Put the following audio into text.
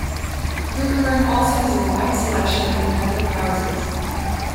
Crewkerne also has a wide selection of public houses.